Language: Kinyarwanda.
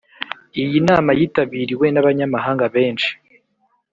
Iyi nama yitabiriwe nabanyamahanga benshi.